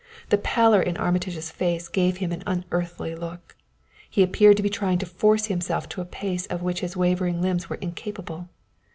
The pallor in Armitage's face gave him an unearthly look; he appeared to be trying to force himself to a pace of which his wavering limbs were incapable.